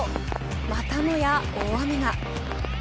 またもや大雨が。